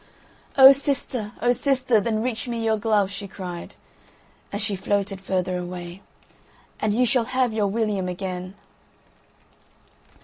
"O sister, O sister, then reach me your glove!" she cried, as she floated further away, "and you shall have your William again."